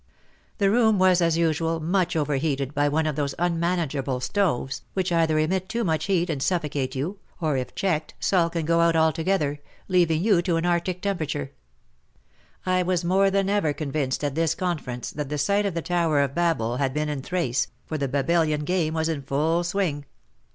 The room was, as usual, much overheated by one of those unmanage able stoves, which either emit too much heat and suffocate you, or, if checked, sulk and go out altogether, leaving you to an arctic tem perature, I was more than ever convinced at this conference that the site of the Tower of Babel had been in Thrace, for the Babellian game was in full swing.